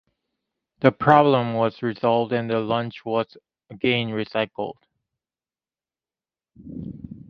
The problem was resolved, and the launch was again recycled.